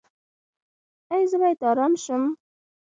ایا زه باید ارام شم؟